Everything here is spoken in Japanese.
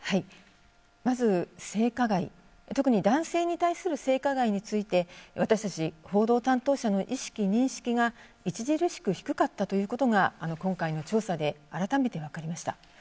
まず性加害特に男性に対する性加害について私たち報道担当者の意識・認識が著しく低かったということが今回の調査で改めて分かりました。